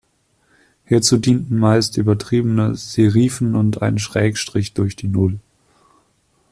Hierzu dienten meist übertriebene Serifen und ein Schrägstrich durch die Null.